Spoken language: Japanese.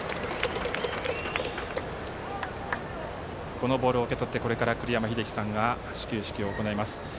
このボールを受け取ってこれから栗山英樹さんが始球式を行います。